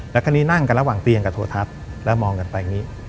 แล้วคราวนี้นั่งกันระหว่างเตียงกับโทรทัศน์แล้วมองกันไปอย่างนี้